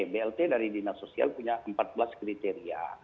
blt dari dinas sosial punya empat belas kriteria